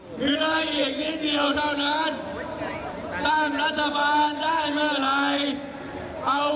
แล้วเมื่อถึงเวลานั้นเรามาเปลี่ยนประเทศไทยไปด้วยกัน